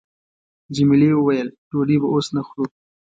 جميلې وويل:، ډوډۍ به اوس نه خورو.